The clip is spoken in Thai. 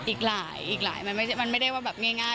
อีกหลายอีกหลายมันไม่ได้ว่าแบบง่าย